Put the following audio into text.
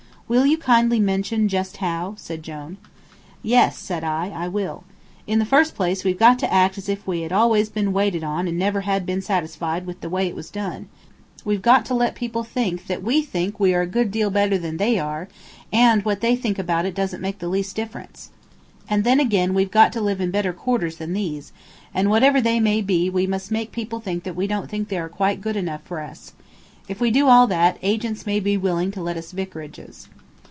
"Will you kindly mention just how?" said Jone. "Yes," said I, "I will. In the first place, we've got to act as if we had always been waited on and had never been satisfied with the way it was done; we've got to let people think that we think we are a good deal better than they are, and what they think about it doesn't make the least difference; and then again we've got to live in better quarters than these, and whatever they may be we must make people think that we don't think they are quite good enough for us. If we do all that, agents may be willing to let us vicarages."